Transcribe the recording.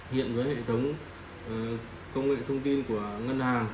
hiện với hệ thống công nghệ thông tin của ngân hàng